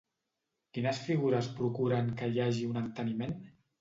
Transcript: Quines figures procuren que hi hagi un enteniment?